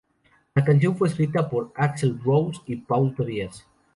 La canción fue escrita por Axl Rose y Paul Tobias.